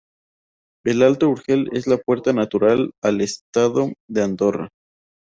El Alto Urgel es la puerta natural al estado de Andorra.